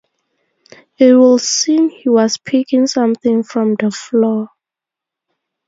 It would seem he was picking something from the floor.